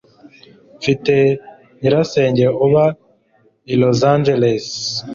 Mfite nyirasenge uba i Los Angeles.